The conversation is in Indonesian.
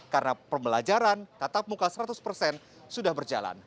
karena pembelajaran tetap muka seratus sudah berjalan